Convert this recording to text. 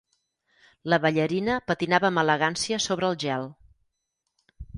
La ballarina patinava amb elegància sobre el gel.